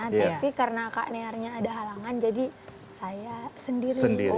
tapi karena kak nearnya ada halangan jadi saya sendiri